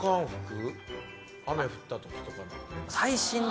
雨降った時とかの。